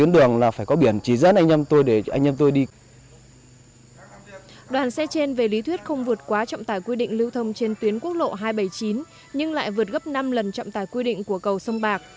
đoàn xe trên về lý thuyết không vượt quá trọng tài quy định lưu thông trên tuyến quốc lộ hai trăm bảy mươi chín nhưng lại vượt gấp năm lần trọng tài quy định của cầu sông bạc